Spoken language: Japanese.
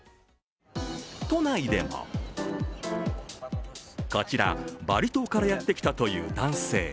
都内でも、こちら、バリ島からやってきたという男性。